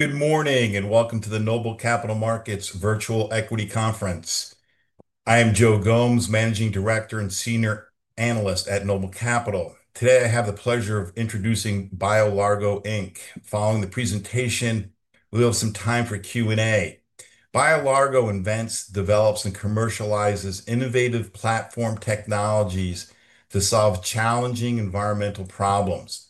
Good morning and welcome to the Noble Capital Markets Virtual Equity Conference. I am Joe Gomes, Managing Director and Senior Analyst at Noble Capital. Today, I have the pleasure of introducing BioLargo. Following the presentation, we'll have some time for Q&A. BioLargo invents, develops, and commercializes innovative platform technologies to solve challenging environmental problems.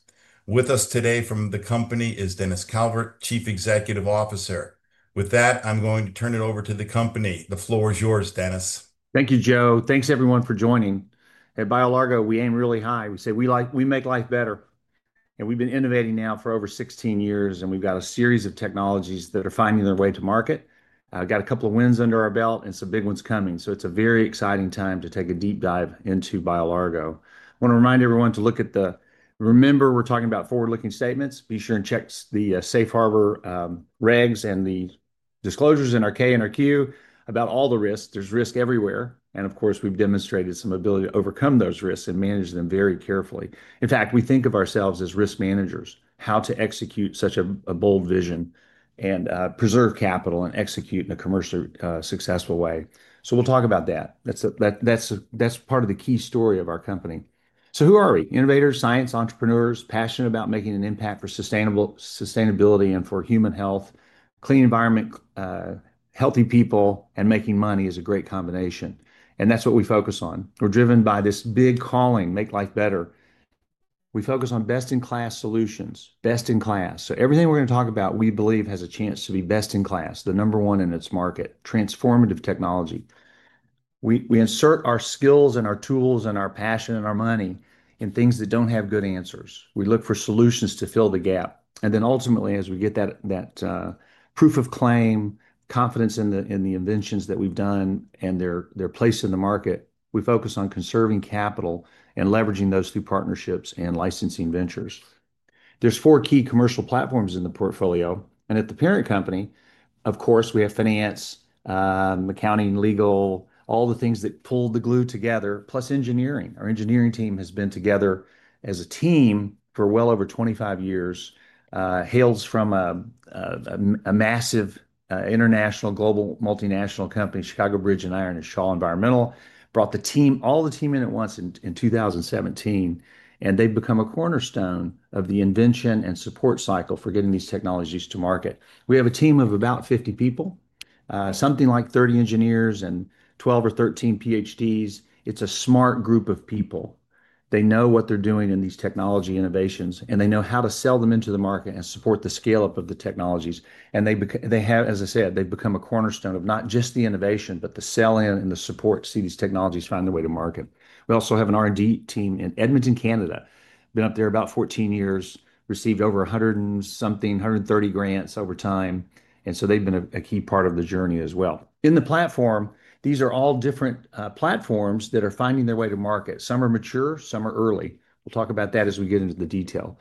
With us today from the company is Dennis Calvert, Chief Executive Officer. With that, I'm going to turn it over to the company. The floor is yours, Dennis. Thank you, Joe. Thanks, everyone, for joining. At BioLargo, we aim really high. We say, "We make life better." And we've been innovating now for over 16 years, and we've got a series of technologies that are finding their way to market. Got a couple of wins under our belt and some big ones coming. It is a very exciting time to take a deep dive into BioLargo. I want to remind everyone to look at the—remember, we're talking about forward-looking statements. Be sure and check the safe harbor regs and the disclosures in our K and our Q about all the risks. There is risk everywhere. Of course, we've demonstrated some ability to overcome those risks and manage them very carefully. In fact, we think of ourselves as risk managers, how to execute such a bold vision and preserve capital and execute in a commercially successful way. We'll talk about that. That's part of the key story of our company. Who are we? Innovators, science, entrepreneurs, passionate about making an impact for sustainability and for human health. Clean environment, healthy people, and making money is a great combination. That's what we focus on. We're driven by this big calling, "Make life better." We focus on best-in-class solutions, best-in-class. Everything we're going to talk about, we believe, has a chance to be best-in-class, the number one in its market, transformative technology. We insert our skills and our tools and our passion and our money in things that don't have good answers. We look for solutions to fill the gap. Ultimately, as we get that proof of claim, confidence in the inventions that we've done and their place in the market, we focus on conserving capital and leveraging those through partnerships and licensing ventures. There are four key commercial platforms in the portfolio. At the parent company, of course, we have finance, accounting, legal, all the things that pull the glue together, plus engineering. Our engineering team has been together as a team for well over 25 years, hails from a massive international, global multinational company, Chicago Bridge and Iron and Shaw Environmental. Brought the team, all the team in at once in 2017, and they've become a cornerstone of the invention and support cycle for getting these technologies to market. We have a team of about 50 people, something like 30 engineers and 12 or 13 PhDs. It's a smart group of people. They know what they're doing in these technology innovations, and they know how to sell them into the market and support the scale-up of the technologies. They have, as I said, become a cornerstone of not just the innovation, but the selling and the support to see these technologies find their way to market. We also have an R&D team in Edmonton, Canada. Been up there about 14 years, received over 100 and something, 130 grants over time. They have been a key part of the journey as well. In the platform, these are all different platforms that are finding their way to market. Some are mature, some are early. We'll talk about that as we get into the detail.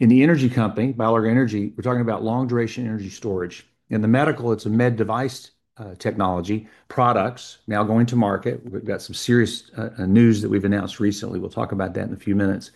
In the energy company, BioLargo Energy, we're talking about long-duration energy storage. In the medical, it's a med-device technology. Products now going to market. We've got some serious news that we've announced recently. We'll talk about that in a few minutes.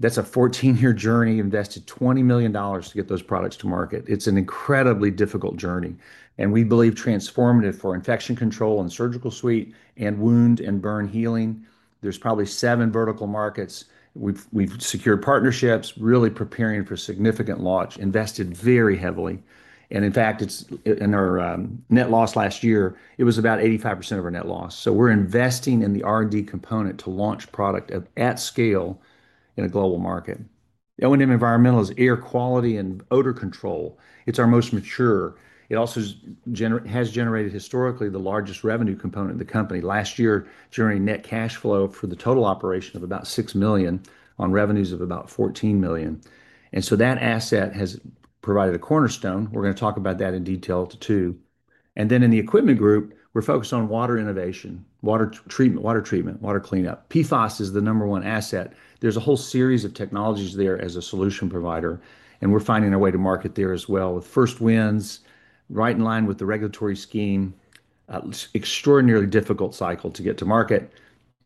That's a 14-year journey, invested $20 million to get those products to market. It's an incredibly difficult journey. We believe transformative for infection control and surgical suite and wound and burn healing. There's probably seven vertical markets. We've secured partnerships, really preparing for significant launch, invested very heavily. In fact, in our net loss last year, it was about 85% of our net loss. We're investing in the R&D component to launch product at scale in a global market. O&M Environmental is air quality and odor control. It's our most mature. It also has generated historically the largest revenue component in the company. Last year, generating net cash flow for the total operation of about $6 million on revenues of about $14 million. That asset has provided a cornerstone. We are going to talk about that in detail too. In the equipment group, we are focused on water innovation, water treatment, water cleanup. PFAS is the number one asset. There is a whole series of technologies there as a solution provider. We are finding our way to market there as well with first wins, right in line with the regulatory scheme. Extraordinarily difficult cycle to get to market.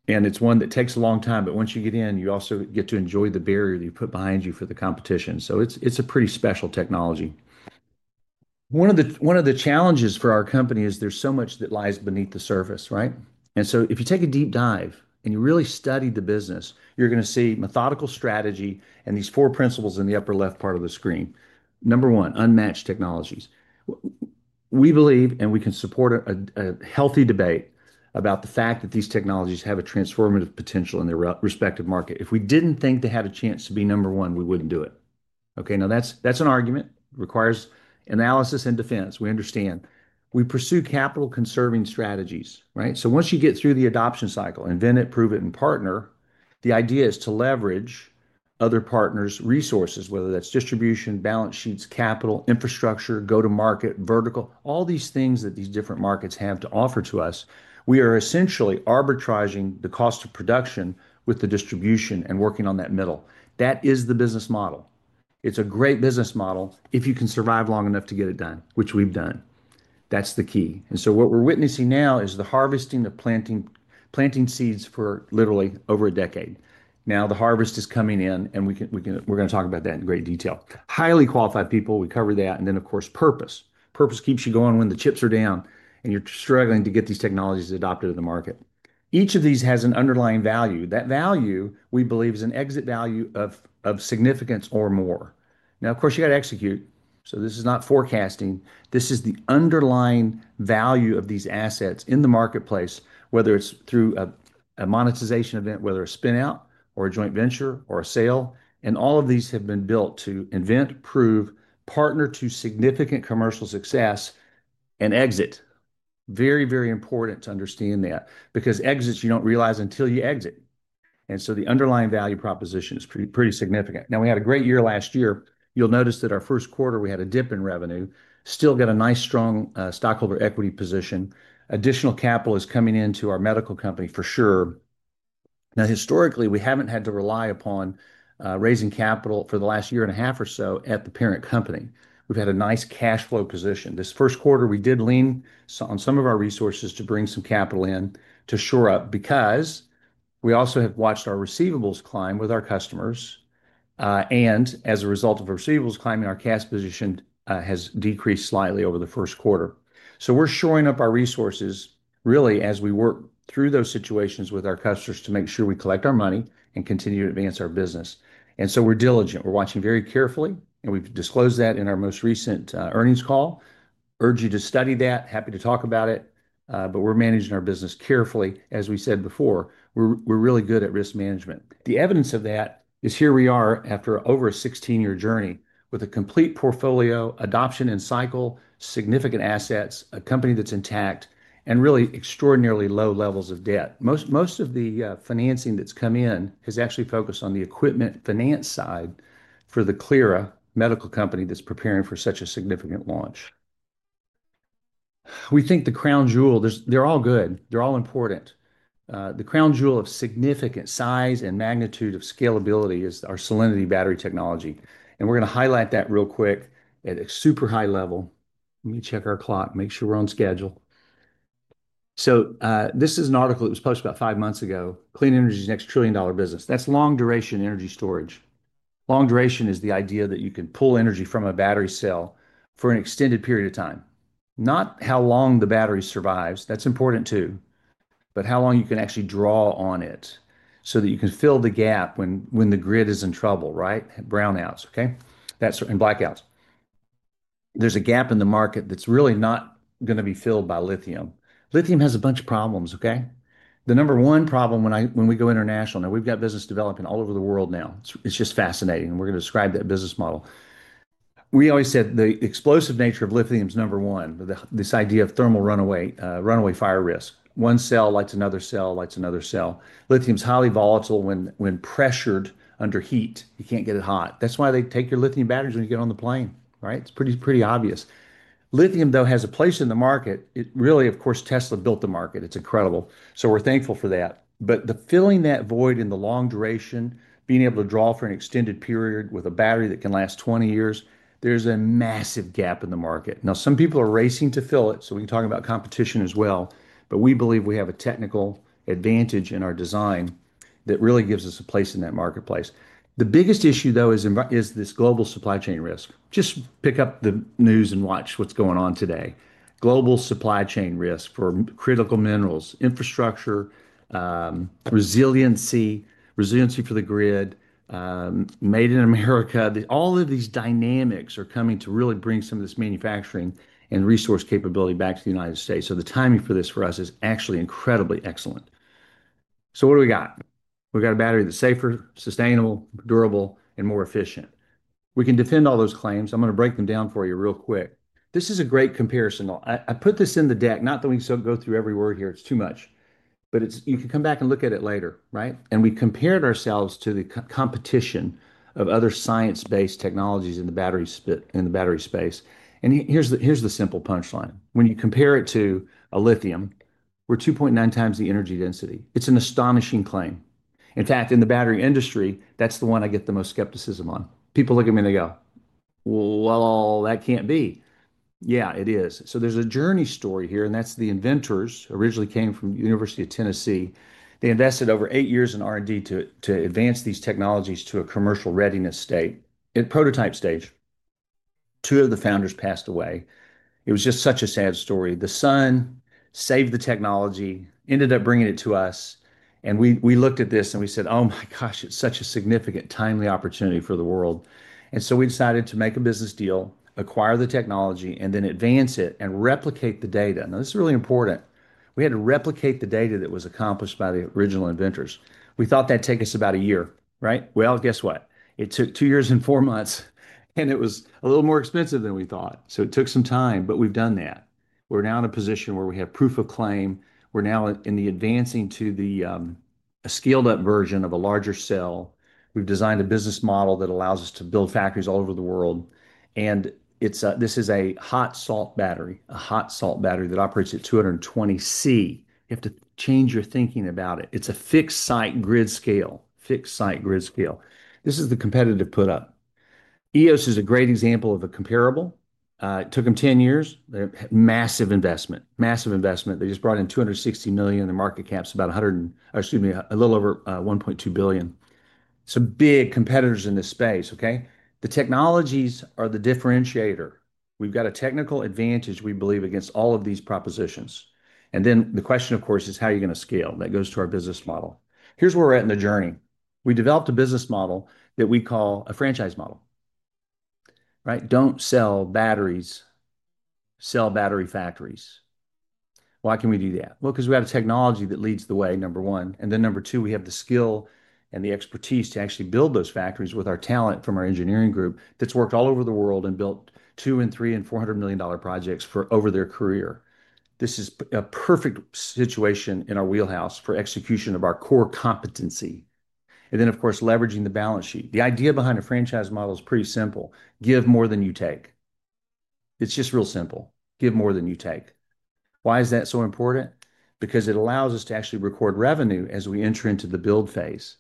It is one that takes a long time, but once you get in, you also get to enjoy the barrier that you put behind you for the competition. It is a pretty special technology. One of the challenges for our company is there is so much that lies beneath the surface, right? If you take a deep dive and you really study the business, you're going to see methodical strategy and these four principles in the upper left part of the screen. Number one, unmatched technologies. We believe, and we can support a healthy debate about the fact that these technologies have a transformative potential in their respective market. If we didn't think they had a chance to be number one, we wouldn't do it. Okay, now that's an argument. Requires analysis and defense. We understand. We pursue capital-conserving strategies, right? Once you get through the adoption cycle, invent it, prove it, and partner, the idea is to leverage other partners' resources, whether that's distribution, balance sheets, capital, infrastructure, go-to-market, vertical, all these things that these different markets have to offer to us. We are essentially arbitraging the cost of production with the distribution and working on that middle. That is the business model. It's a great business model if you can survive long enough to get it done, which we've done. That's the key. What we're witnessing now is the harvesting, the planting seeds for literally over a decade. Now the harvest is coming in, and we're going to talk about that in great detail. Highly qualified people, we cover that. Of course, purpose. Purpose keeps you going when the chips are down and you're struggling to get these technologies adopted in the market. Each of these has an underlying value. That value, we believe, is an exit value of significance or more. Of course, you got to execute. This is not forecasting. This is the underlying value of these assets in the marketplace, whether it's through a monetization event, whether a spinout or a joint venture or a sale. All of these have been built to invent, prove, partner to significant commercial success, and exit. Very, very important to understand that because exits, you do not realize until you exit. The underlying value proposition is pretty significant. Now, we had a great year last year. You will notice that our first quarter, we had a dip in revenue, still got a nice strong stockholder equity position. Additional capital is coming into our medical company for sure. Now, historically, we have not had to rely upon raising capital for the last year and a half or so at the parent company. We have had a nice cash flow position. This first quarter, we did lean on some of our resources to bring some capital in to shore up because we also have watched our receivables climb with our customers. As a result of our receivables climbing, our cash position has decreased slightly over the first quarter. We are shoring up our resources really as we work through those situations with our customers to make sure we collect our money and continue to advance our business. We are diligent. We are watching very carefully, and we have disclosed that in our most recent earnings call. I urge you to study that. Happy to talk about it, but we are managing our business carefully. As we said before, we are really good at risk management. The evidence of that is here we are after over a 16-year journey with a complete portfolio, adoption and cycle, significant assets, a company that is intact, and really extraordinarily low levels of debt. Most of the financing that's come in has actually focused on the equipment finance side for the Clyra Medical Technologies company that's preparing for such a significant launch. We think the crown jewel, they're all good. They're all important. The crown jewel of significant size and magnitude of scalability is our salinity battery technology. And we're going to highlight that real quick at a super high level. Let me check our clock, make sure we're on schedule. This is an article that was published about five months ago. Clean energy is the next trillion-dollar business. That's long-duration energy storage. Long duration is the idea that you can pull energy from a battery cell for an extended period of time. Not how long the battery survives. That's important too, but how long you can actually draw on it so that you can fill the gap when the grid is in trouble, right? Brownouts, okay? That's in blackouts. There's a gap in the market that's really not going to be filled by lithium. Lithium has a bunch of problems, okay? The number one problem when we go international, now we've got business developing all over the world now. It's just fascinating. And we're going to describe that business model. We always said the explosive nature of lithium is number one, this idea of thermal runaway fire risk. One cell lights another cell, lights another cell. Lithium is highly volatile when pressured under heat. You can't get it hot. That's why they take your lithium batteries when you get on the plane, right? It's pretty obvious. Lithium, though, has a place in the market. Really, of course, Tesla built the market. It's incredible. We're thankful for that. The filling that void in the long duration, being able to draw for an extended period with a battery that can last 20 years, there's a massive gap in the market. Now, some people are racing to fill it, we can talk about competition as well. We believe we have a technical advantage in our design that really gives us a place in that marketplace. The biggest issue, though, is this global supply chain risk. Just pick up the news and watch what's going on today. Global supply chain risk for critical minerals, infrastructure, resiliency, resiliency for the grid, made in America. All of these dynamics are coming to really bring some of this manufacturing and resource capability back to the United States. The timing for this for us is actually incredibly excellent. What do we got? We've got a battery that's safer, sustainable, durable, and more efficient. We can defend all those claims. I'm going to break them down for you real quick. This is a great comparison. I put this in the deck, not that we go through every word here. It's too much. You can come back and look at it later, right? We compared ourselves to the competition of other science-based technologies in the battery space. Here's the simple punchline. When you compare it to a lithium, we're 2.9 times the energy density. It's an astonishing claim. In fact, in the battery industry, that's the one I get the most skepticism on. People look at me and they go, "Well, that can't be." Yeah, it is. There's a journey story here, and that's the inventors originally came from the University of Tennessee. They invested over eight years in R&D to advance these technologies to a commercial readiness state. At prototype stage, two of the founders passed away. It was just such a sad story. The son saved the technology, ended up bringing it to us. We looked at this and we said, "Oh my gosh, it's such a significant, timely opportunity for the world." We decided to make a business deal, acquire the technology, and then advance it and replicate the data. Now, this is really important. We had to replicate the data that was accomplished by the original inventors. We thought that'd take us about a year, right? Guess what? It took two years and four months, and it was a little more expensive than we thought. It took some time, but we've done that. We're now in a position where we have proof of claim. We're now advancing to a scaled-up version of a larger cell. We've designed a business model that allows us to build factories all over the world. This is a hot salt battery, a hot salt battery that operates at 220 degrees Celsius. You have to change your thinking about it. It's a fixed-site grid scale, fixed-site grid scale. This is the competitive put-up. EOS is a great example of a comparable. It took them 10 years. They had massive investment, massive investment. They just brought in $260 million. The market cap's about $100 million, excuse me, a little over $1.2 billion. Big competitors in this space, okay? The technologies are the differentiator. We've got a technical advantage, we believe, against all of these propositions. The question, of course, is how you're going to scale. That goes to our business model. Here's where we're at in the journey. We developed a business model that we call a franchise model, right? Don't sell batteries, sell battery factories. Why can we do that? Well, because we have a technology that leads the way, number one. Number two, we have the skill and the expertise to actually build those factories with our talent from our engineering group that's worked all over the world and built $200 million, $300 million, and $400 million projects over their career. This is a perfect situation in our wheelhouse for execution of our core competency. Of course, leveraging the balance sheet. The idea behind a franchise model is pretty simple. Give more than you take. It's just real simple. Give more than you take. Why is that so important? Because it allows us to actually record revenue as we enter into the build phase.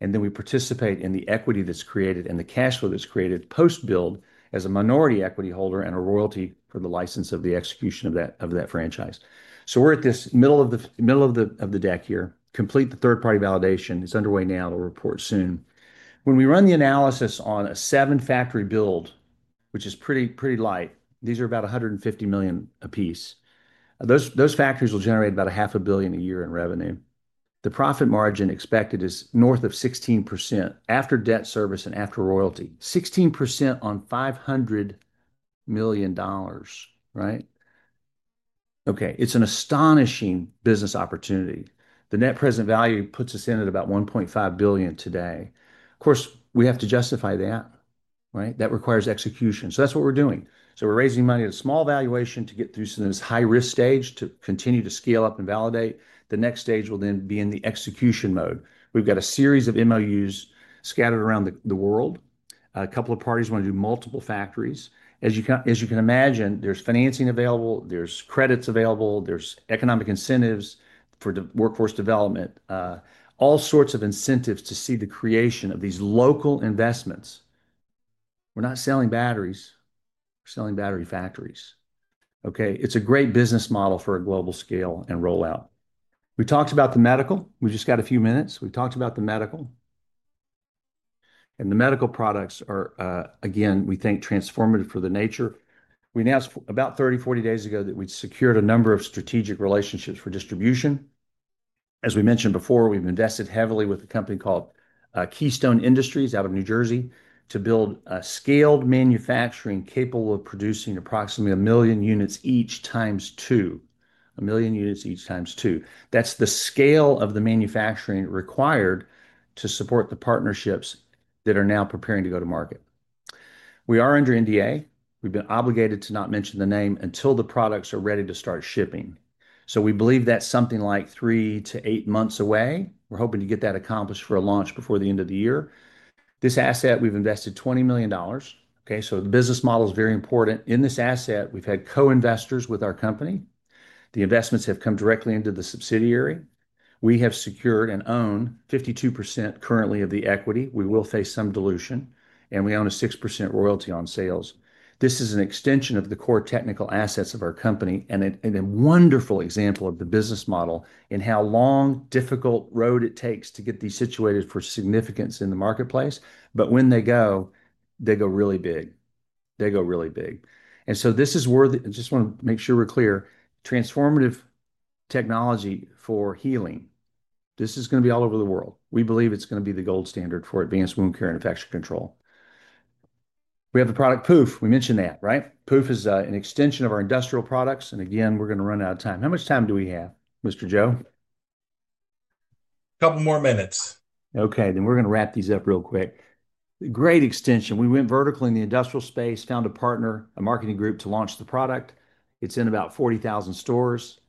We participate in the equity that's created and the cash flow that's created post-build as a minority equity holder and a royalty for the license of the execution of that franchise. We're at this middle of the deck here. Complete the third-party validation. It's underway now. It'll report soon. When we run the analysis on a seven-factory build, which is pretty light, these are about $150 million a piece. Those factories will generate about $500 million a year in revenue. The profit margin expected is north of 16% after debt service and after royalty. 16% on $500 million, right? Okay. It's an astonishing business opportunity. The net present value puts us in at about $1.5 billion today. Of course, we have to justify that, right? That requires execution. That's what we're doing. We're raising money at a small valuation to get through some of this high-risk stage to continue to scale up and validate. The next stage will then be in the execution mode. We've got a series of MOUs scattered around the world. A couple of parties want to do multiple factories. As you can imagine, there's financing available. There's credits available. There's economic incentives for workforce development. All sorts of incentives to see the creation of these local investments. We're not selling batteries. We're selling battery factories. It's a great business model for a global scale and rollout. We talked about the medical. We just got a few minutes. We talked about the medical. The medical products are, again, we think transformative for the nature. We announced about 30-40 days ago that we'd secured a number of strategic relationships for distribution. As we mentioned before, we've invested heavily with a company called Keystone Industries out of New Jersey to build a scaled manufacturing capable of producing approximately a million units each times two. A million units each times two. That's the scale of the manufacturing required to support the partnerships that are now preparing to go to market. We are under NDA. We've been obligated to not mention the name until the products are ready to start shipping. We believe that's something like three to eight months away. We're hoping to get that accomplished for a launch before the end of the year. This asset, we've invested $20 million. Okay. The business model is very important. In this asset, we've had co-investors with our company. The investments have come directly into the subsidiary. We have secured and own 52% currently of the equity. We will face some dilution, and we own a 6% royalty on sales. This is an extension of the core technical assets of our company and a wonderful example of the business model and how long, difficult road it takes to get these situated for significance in the marketplace. When they go, they go really big. They go really big. This is worth it. I just want to make sure we're clear. Transformative technology for healing. This is going to be all over the world. We believe it's going to be the gold standard for advanced wound care and infection control. We have a product, Pooph. We mentioned that, right? Pooph is an extension of our industrial products. Again, we're going to run out of time. How much time do we have, Mr. Joe? Couple more minutes. Okay. We are going to wrap these up real quick. Great extension. We went vertical in the industrial space, found a partner, a marketing group to launch the product. It is in about 40,000 stores.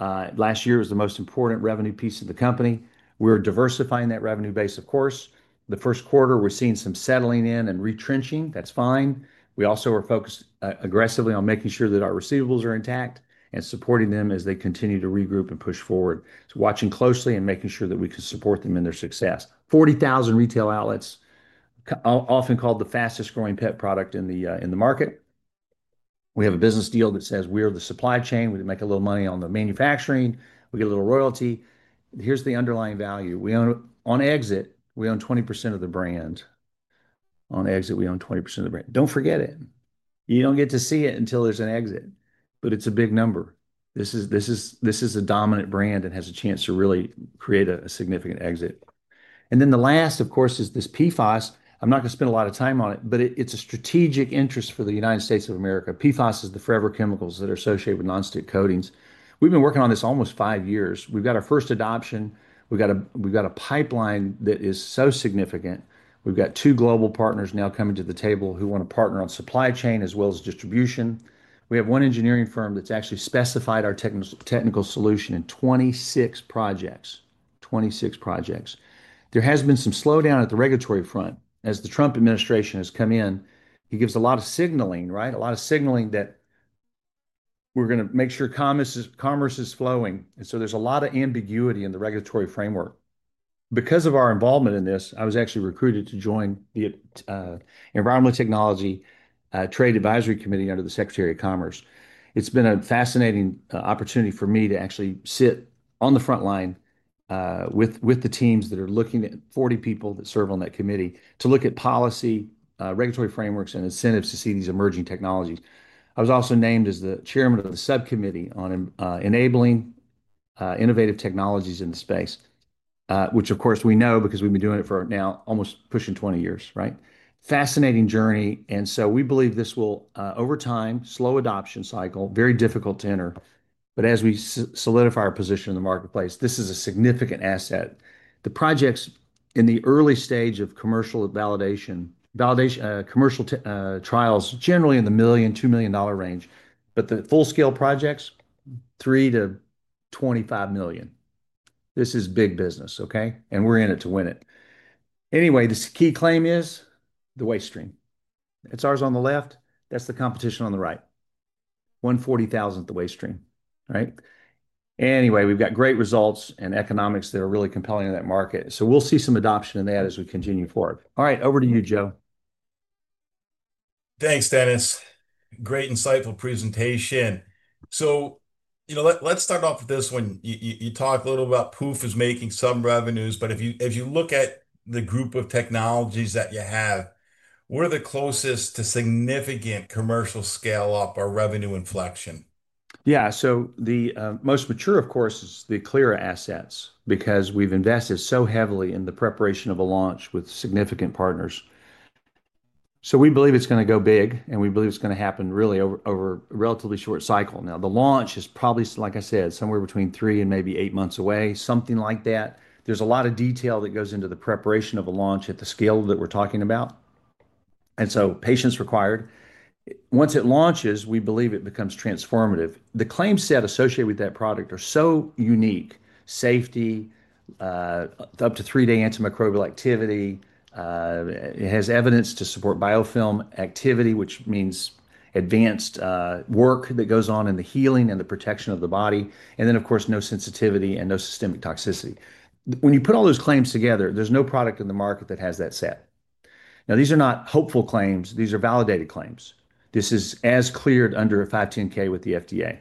Last year was the most important revenue piece of the company. We are diversifying that revenue base, of course. The first quarter, we are seeing some settling in and retrenching. That is fine. We also are focused aggressively on making sure that our receivables are intact and supporting them as they continue to regroup and push forward. Watching closely and making sure that we can support them in their success. 40,000 retail outlets, often called the fastest growing pet product in the market. We have a business deal that says we are the supply chain. We make a little money on the manufacturing. We get a little royalty. Here's the underlying value. On exit, we own 20% of the brand. Don't forget it. You do not get to see it until there is an exit, but it is a big number. This is a dominant brand and has a chance to really create a significant exit. The last, of course, is this PFAS. I am not going to spend a lot of time on it, but it is a strategic interest for the United States of America. PFAS is the forever chemicals that are associated with non-stick coatings. We have been working on this almost five years. We have got our first adoption. We have got a pipeline that is so significant. We have got two global partners now coming to the table who want to partner on supply chain as well as distribution. We have one engineering firm that's actually specified our technical solution in 26 projects. Twenty-six projects. There has been some slowdown at the regulatory front. As the Trump administration has come in, he gives a lot of signaling, right? A lot of signaling that we're going to make sure commerce is flowing. There is a lot of ambiguity in the regulatory framework. Because of our involvement in this, I was actually recruited to join the Environmental Technology Trade Advisory Committee under the Secretary of Commerce. It's been a fascinating opportunity for me to actually sit on the front line with the teams that are looking at 40 people that serve on that committee to look at policy, regulatory frameworks, and incentives to see these emerging technologies. I was also named as the chairman of the subcommittee on enabling innovative technologies in the space, which, of course, we know because we've been doing it for now almost pushing 20 years, right? Fascinating journey. We believe this will, over time, slow adoption cycle, very difficult to enter. As we solidify our position in the marketplace, this is a significant asset. The projects in the early stage of commercial validation, commercial trials, generally in the $1 million-$2 million range. The full-scale projects, $3 million-$25 million. This is big business, okay? We're in it to win it. Anyway, the key claim is the waste stream. It's ours on the left. That's the competition on the right. 140,000 at the waste stream, right? Anyway, we've got great results and economics that are really compelling in that market. We'll see some adoption in that as we continue forward. All right, over to you, Joe. Thanks, Dennis. Great insightful presentation. Let's start off with this one. You talked a little about Pooph is making some revenues, but if you look at the group of technologies that you have, what are the closest to significant commercial scale-up or revenue inflection? Yeah. The most mature, of course, is the Clyra assets because we've invested so heavily in the preparation of a launch with significant partners. We believe it's going to go big, and we believe it's going to happen really over a relatively short cycle. The launch is probably, like I said, somewhere between three and maybe eight months away, something like that. There's a lot of detail that goes into the preparation of a launch at the scale that we're talking about. Patience required. Once it launches, we believe it becomes transformative. The claims set associated with that product are so unique. Safety, up to three-day antimicrobial activity. It has evidence to support biofilm activity, which means advanced work that goes on in the healing and the protection of the body. Of course, no sensitivity and no systemic toxicity. When you put all those claims together, there is no product in the market that has that set. These are not hopeful claims. These are validated claims. This is as cleared under a 510(k) with the FDA.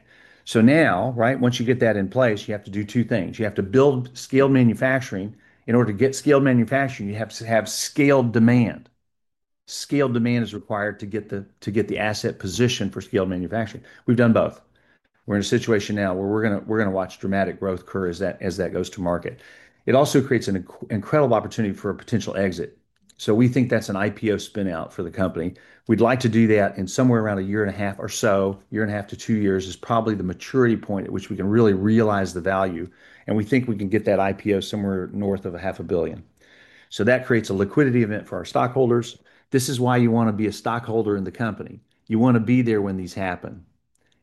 Now, once you get that in place, you have to do two things. You have to build scaled manufacturing. In order to get scaled manufacturing, you have to have scaled demand. Scaled demand is required to get the asset position for scaled manufacturing. We have done both. We're in a situation now where we're going to watch dramatic growth occur as that goes to market. It also creates an incredible opportunity for a potential exit. We think that's an IPO spinout for the company. We'd like to do that in somewhere around a year and a half or so. A year and a half to two years is probably the maturity point at which we can really realize the value. We think we can get that IPO somewhere north of $500,000,000. That creates a liquidity event for our stockholders. This is why you want to be a stockholder in the company. You want to be there when these happen.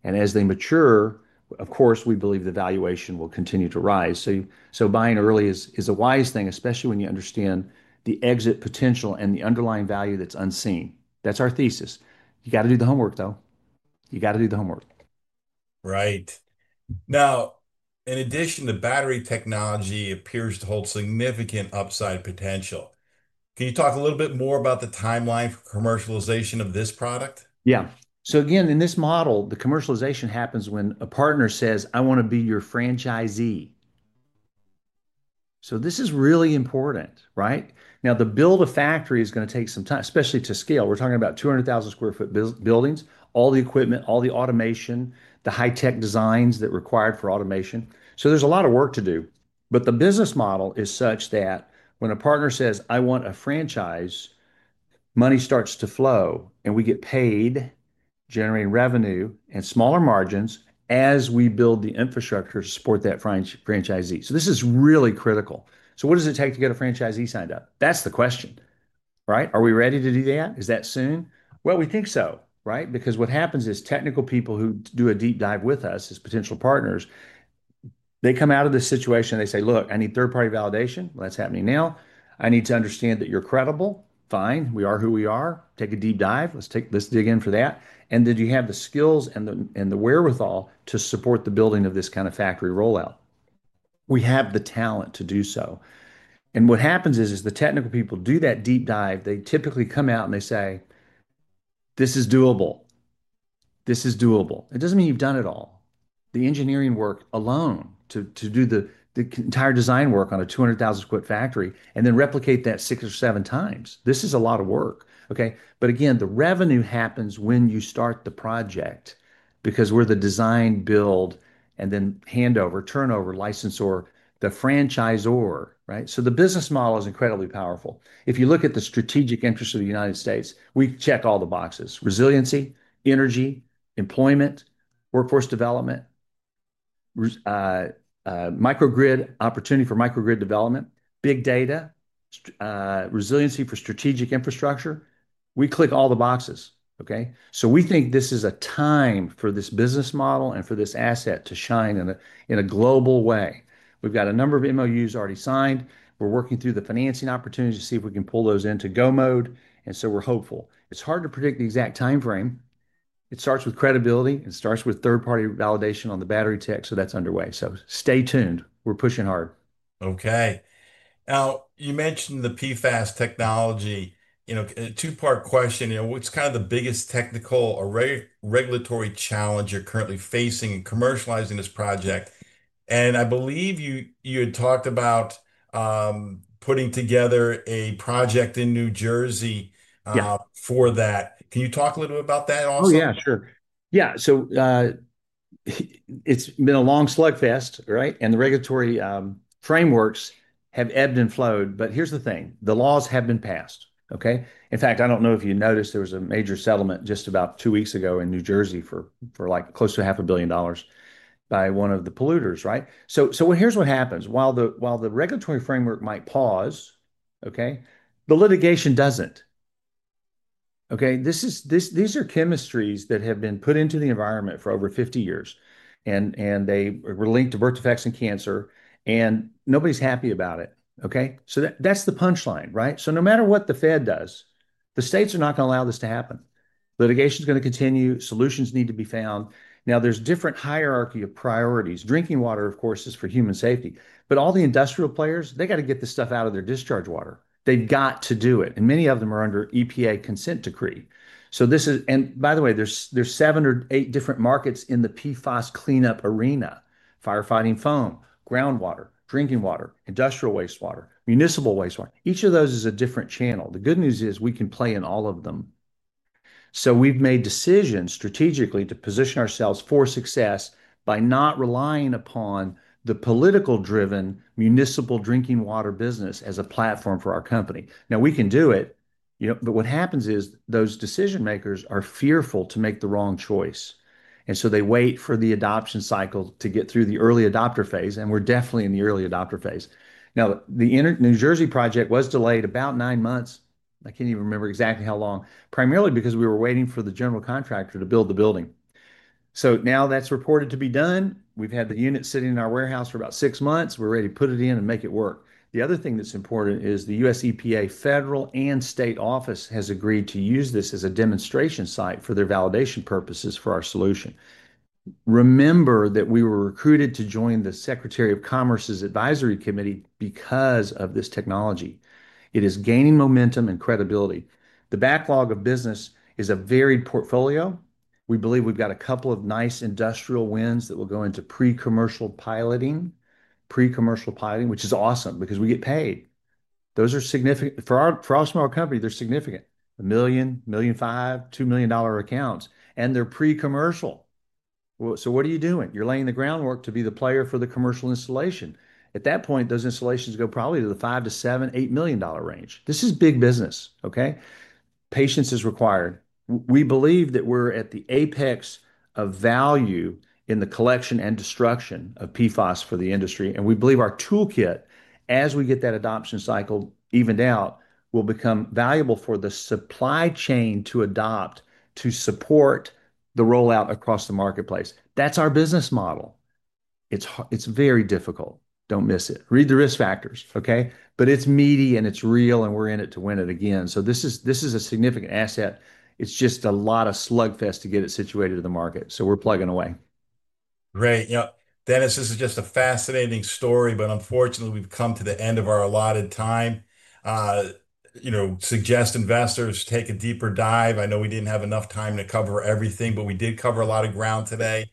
As they mature, of course, we believe the valuation will continue to rise. So buying early is a wise thing, especially when you understand the exit potential and the underlying value that's unseen. That's our thesis. You got to do the homework, though. You got to do the homework. Right. Now, in addition, the battery technology appears to hold significant upside potential. Can you talk a little bit more about the timeline for commercialization of this product? Yeah. So again, in this model, the commercialization happens when a partner says, "I want to be your franchisee." This is really important, right? Now, the build of factory is going to take some time, especially to scale. We're talking about 200,000 sq ft buildings, all the equipment, all the automation, the high-tech designs that are required for automation. There is a lot of work to do. The business model is such that when a partner says, "I want a franchise," money starts to flow, and we get paid, generating revenue and smaller margins as we build the infrastructure to support that franchisee. This is really critical. What does it take to get a franchisee signed up? That's the question, right? Are we ready to do that? Is that soon? We think so, right? What happens is technical people who do a deep dive with us as potential partners, they come out of this situation. They say, "Look, I need third-party validation." That's happening now. I need to understand that you're credible. Fine. We are who we are. Take a deep dive. Let's dig in for that. Did you have the skills and the wherewithal to support the building of this kind of factory rollout? We have the talent to do so. What happens is, the technical people do that deep dive. They typically come out and they say, "This is doable. This is doable." It does not mean you have done it all. The engineering work alone to do the entire design work on a 200,000 sq ft factory and then replicate that six or seven times. This is a lot of work, okay? Again, the revenue happens when you start the project because we are the design, build, and then handover, turnover, licensor, the franchisor, right? The business model is incredibly powerful. If you look at the strategic interests of the United States, we check all the boxes: resiliency, energy, employment, workforce development, microgrid, opportunity for microgrid development, big data, resiliency for strategic infrastructure. We click all the boxes, okay? We think this is a time for this business model and for this asset to shine in a global way. We've got a number of MOUs already signed. We're working through the financing opportunities to see if we can pull those into go mode. We're hopeful. It's hard to predict the exact timeframe. It starts with credibility. It starts with third-party validation on the battery tech. That's underway. Stay tuned. We're pushing hard. Okay. You mentioned the PFAS technology. Two-part question. What's kind of the biggest technical or regulatory challenge you're currently facing in commercializing this project? I believe you had talked about putting together a project in New Jersey for that. Can you talk a little bit about that also? Oh, yeah, sure. It's been a long slugfest, right? The regulatory frameworks have ebbed and flowed. Here's the thing. The laws have been passed, okay? In fact, I don't know if you noticed there was a major settlement just about two weeks ago in New Jersey for close to $500,000,000 by one of the polluters, right? Here's what happens. While the regulatory framework might pause, okay, the litigation doesn't. Okay? These are chemistries that have been put into the environment for over 50 years, and they were linked to birth defects and cancer, and nobody's happy about it, okay? That's the punchline, right? No matter what the Fed does, the states are not going to allow this to happen. Litigation is going to continue. Solutions need to be found. Now, there's a different hierarchy of priorities. Drinking water, of course, is for human safety. All the industrial players, they got to get this stuff out of their discharge water. They've got to do it. Many of them are under EPA consent decree. By the way, there are seven or eight different markets in the PFAS cleanup arena: firefighting foam, groundwater, drinking water, industrial wastewater, municipal wastewater. Each of those is a different channel. The good news is we can play in all of them. We've made decisions strategically to position ourselves for success by not relying upon the politically driven municipal drinking water business as a platform for our company. Now, we can do it, but what happens is those decision-makers are fearful to make the wrong choice. They wait for the adoption cycle to get through the early adopter phase, and we're definitely in the early adopter phase. The New Jersey project was delayed about nine months. I can't even remember exactly how long, primarily because we were waiting for the general contractor to build the building. Now that's reported to be done. We've had the unit sitting in our warehouse for about six months. We're ready to put it in and make it work. The other thing that's important is the US EPA federal and state office has agreed to use this as a demonstration site for their validation purposes for our solution. Remember that we were recruited to join the Secretary of Commerce's advisory committee because of this technology. It is gaining momentum and credibility. The backlog of business is a varied portfolio. We believe we've got a couple of nice industrial wins that will go into pre-commercial piloting, which is awesome because we get paid. Those are significant for us and our company, they're significant. A million, million five, $2 million accounts, and they're pre-commercial. What are you doing? You're laying the groundwork to be the player for the commercial installation. At that point, those installations go probably to the $5 million-$7 million, $8 million range. This is big business, okay? Patience is required. We believe that we're at the apex of value in the collection and destruction of PFAS for the industry. We believe our toolkit, as we get that adoption cycle evened out, will become valuable for the supply chain to adopt to support the rollout across the marketplace. That's our business model. It's very difficult. Don't miss it. Read the risk factors, okay? It is meaty and it is real, and we're in it to win it again. This is a significant asset. It's just a lot of slugfest to get it situated in the market. We're plugging away. Great. Dennis, this is just a fascinating story, but unfortunately, we've come to the end of our allotted time. Suggest investors take a deeper dive. I know we didn't have enough time to cover everything, but we did cover a lot of ground today.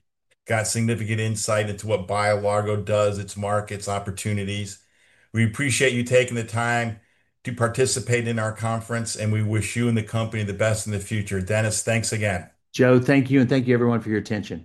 Got significant insight into what BioLargo does, its markets, opportunities. We appreciate you taking the time to participate in our conference, and we wish you and the company the best in the future. Dennis, thanks again. Joe, thank you. Thank you, everyone, for your attention.